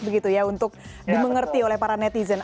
begitu ya untuk dimengerti oleh para netizen